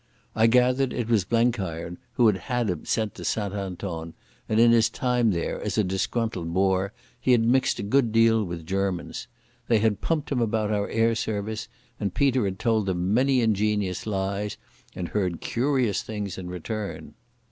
I gathered it was Blenkiron who had had him sent to St Anton, and in his time there, as a disgruntled Boer, he had mixed a good deal with Germans. They had pumped him about our air service, and Peter had told them many ingenious lies and heard curious things in return.